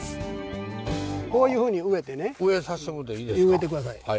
植えてください。